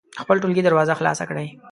د خپل ټولګي دروازه خلاصه کړئ.